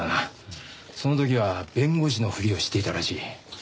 その時は弁護士のふりをしていたらしい。